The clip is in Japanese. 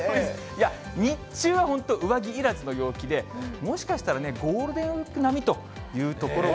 いや、日中は本当、上着いらずの陽気で、もしかしたらね、ゴールデンウィーク並みという所